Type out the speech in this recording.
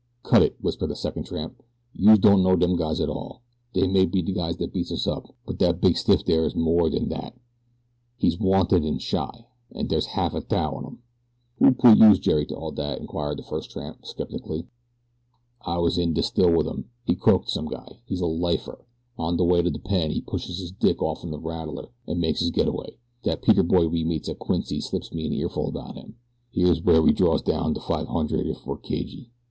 "Cut it!" whispered the second tramp. "Youse don't know dem guys at all. Dey may be de guys dat beats us up; but dat big stiff dere is more dan dat. He's wanted in Chi, an' dere's half a t'ou on 'im." "Who put youse jerry to all dat?" inquired the first tramp, skeptically. "I was in de still wit 'im he croaked some guy. He's a lifer. On de way to de pen he pushes dis dick off'n de rattler an' makes his get away. Dat peter boy we meets at Quincy slips me an earful about him. Here's w'ere we draws down de five hundred if we're cagey."